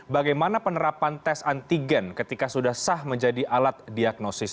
bagaimana penerapan tes antigen ketika sudah sah menjadi alat diagnosis